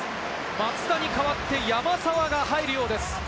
松田に代わって、山沢が入るようです。